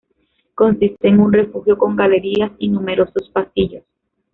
Consiste en un refugio con galerías y numerosos pasillos.